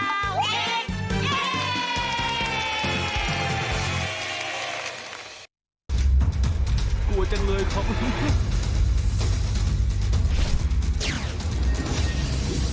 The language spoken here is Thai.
รั้งที่สองค่ะแม่พูดจากภารกิจอย่างดี